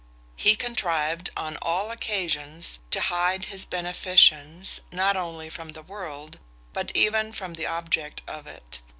He contrived, on all occasions, to hide his beneficence, not only from the world, but even from the object of it.